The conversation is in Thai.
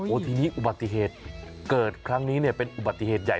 ทีนี้อุบัติเหตุเกิดครั้งนี้เนี่ยเป็นอุบัติเหตุใหญ่